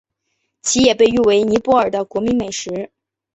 其也被誉为尼泊尔的国民美食。